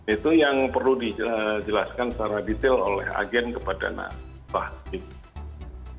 itu yang perlu dijelaskan secara detail oleh agen kepada nasabah